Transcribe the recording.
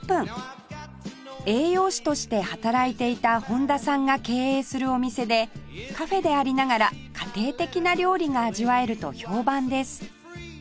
栄養士として働いていた本田さんが経営するお店でカフェでありながら家庭的な料理が味わえると評判です